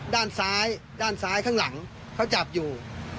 ด้านซ้ายด้านซ้ายข้างหลังเขาจับอยู่